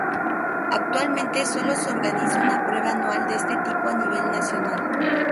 Actualmente solo se organiza una prueba anual de este tipo a nivel nacional.